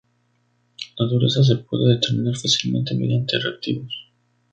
La dureza se puede determinar fácilmente mediante reactivos.